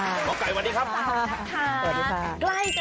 หมอไก่สวัสดีครับ